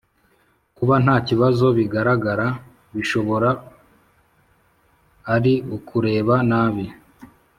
Kuba nta bibazo bigaragara bishobora ari ukureba nabi